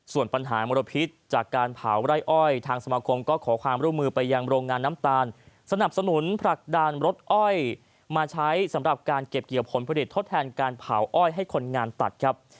ส่วนปัญหามลพิษจากการเผาไร่อ้อยทางสมาคมก็ขอความร่วมมือไปยังโรงงานน้ำตาลสนับสนุนผลักดันรถอ้อยมาใช้สำหรับการเก็บเกี่ยวผลผลิตทดแทนการเผาอ้อยให้คนงานตัดครับ